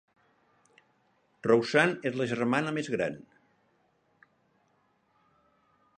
Rosanne és la germana més gran.